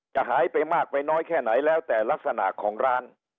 หายไปมากไปน้อยแค่ไหนแล้วแต่ลักษณะของร้าน